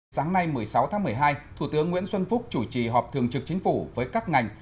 sáng nay một mươi sáu tháng một mươi hai thủ tướng nguyễn xuân phúc chủ trì họp thường trực chính phủ với các ngành